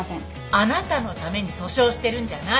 あなたのために訴訟してるんじゃない。